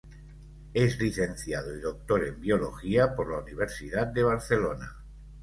Es licenciado y doctor en biología por la Universidad de Barcelona.